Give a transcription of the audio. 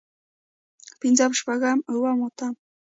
پنځم شپږم اووم اتم